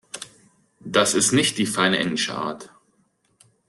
Das ist nicht die feine englische Art.